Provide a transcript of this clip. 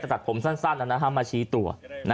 ตัดผมสั้นมาชี้ตัว